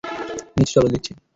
নীচে চলো, দিচ্ছি।